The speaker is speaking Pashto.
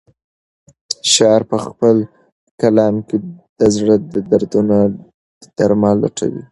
شاعر په خپل کلام کې د زړه د دردونو درمل لټوي.